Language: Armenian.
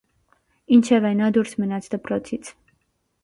Ինչևէ, նա դուրս մնաց դպրոցից։